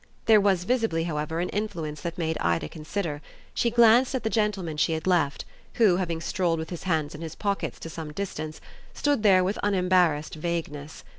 There was visibly, however, an influence that made Ida consider; she glanced at the gentleman she had left, who, having strolled with his hands in his pockets to some distance, stood there with unembarrassed vagueness.